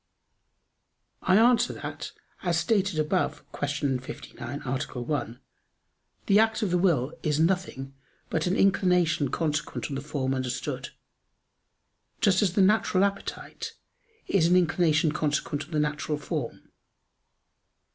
I answer that, As stated above (Q. 59, A. 1), the act of the will is nothing but an inclination consequent on the form understood; just as the natural appetite is an inclination consequent on the natural form.